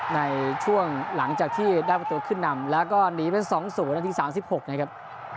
ในช่วงหลังจากที่ได้ประตูขึ้นนำแล้วก็หนีเป็นสองศูนย์นาทีสามสิบหกนะครับ